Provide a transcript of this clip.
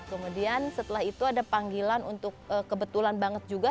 kemudian setelah itu ada panggilan untuk kebetulan banget juga